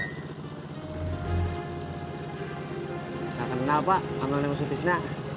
kakak kenal pak panggilan yang musuh tisnya